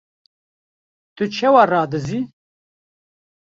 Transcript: Tu çawa radizî?!